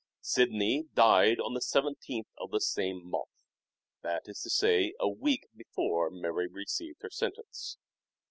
Sidney died on the iyth of the same month ; that is to say a week before Mary received her sentence.